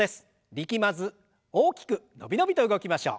力まず大きく伸び伸びと動きましょう。